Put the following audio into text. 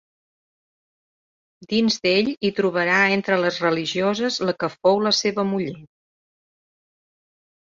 Dins d'ell hi trobarà entre les religioses la que fou la seva muller.